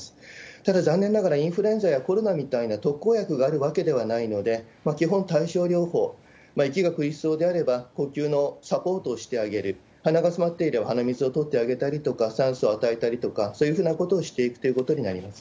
ただ、残念ながら、インフルエンザやコロナみたいな特効薬があるわけではないので、基本、対症療法、息が苦しそうであれば、呼吸のサポートをしてあげる、鼻がつまっていれば、鼻水を取ってあげたりとか、酸素を与えたりとか、そういうふうなことをしていくということになります。